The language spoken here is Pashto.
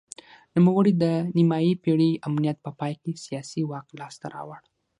نوموړي د نیمايي پېړۍ امنیت په پای کې سیاسي واک لاسته راوړ.